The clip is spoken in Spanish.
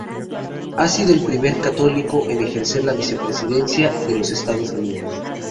Ha sido el primer católico en ejercer la Vicepresidencia de los Estados Unidos.